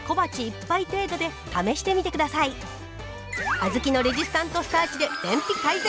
小豆のレジスタントスターチで便秘改善！